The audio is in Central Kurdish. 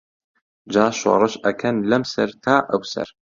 جا شۆڕش ئەکەن لەم سەر تا ئەوسەر